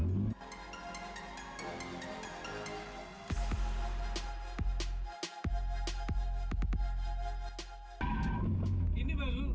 dan sebabnya hasil